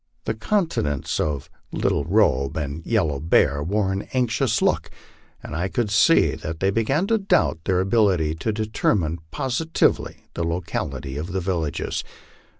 The countenances of Little Robe and Yellow Bear wore an anxious look, and I could see that they began to doubt their ability to determine positively the locality of the villages.